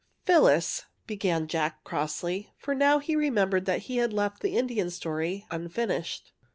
Phyllis," began Jack, crossly, for now he remembered that he had left the Indian story unfinished.